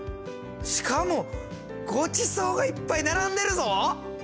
しかもごちそうがいっぱい並んでるぞ！